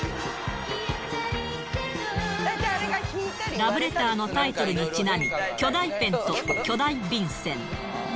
ラブレターのタイトルにちなみ、巨大ペンと巨大便箋。